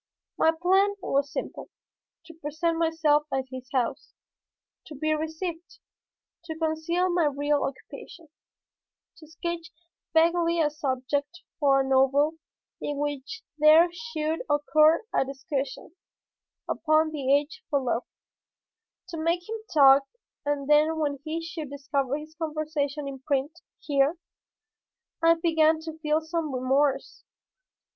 My plan was simple; to present myself at his house, to be received, to conceal my real occupation, to sketch vaguely a subject for a novel in which there should occur a discussion upon the Age for Love, to make him talk and then when he should discover his conversation in print here I began to feel some remorse.